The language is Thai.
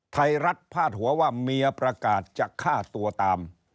ไทยรัฐพาดหัวว่าเมียประกาศจะฆ่าตัวตาม